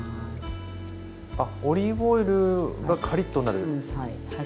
あっオリーブオイルがカリッとなるですか？